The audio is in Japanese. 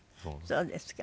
そうですか。